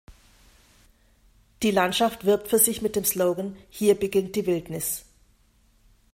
Die Landschaft wirbt für sich mit dem Slogan „Hier beginnt die Wildnis“.